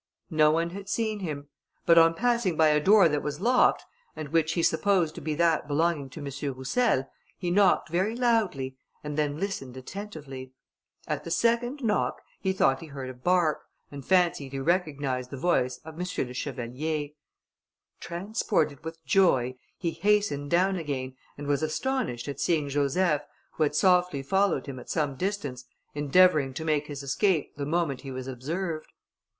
No one had seen him; but on passing by a door that was locked, and which he supposed to be that belonging to M. Roussel, he knocked very loudly, and then listened attentively. At the second knock, he thought he heard a bark, and fancied he recognised the voice of M. le Chevalier. Transported with joy, he hastened down again, and was astonished at seeing Joseph, who had softly followed him at some distance, endeavouring to make his escape the moment he was observed.